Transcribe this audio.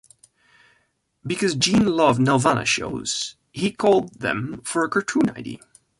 Because Gene loved Nelvana shows, he called them for a cartoon idea.